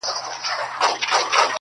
د پېړیو پېګويي به یې کوله-